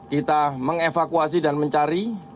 kita mengevakuasi dan mencari